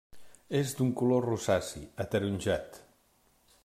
És d'un color rosaci, ataronjat.